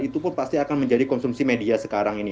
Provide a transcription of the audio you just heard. itu pun pasti akan menjadi konsumsi media sekarang ini